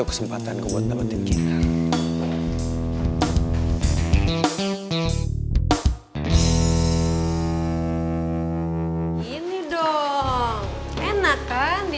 gimana tadi seru gak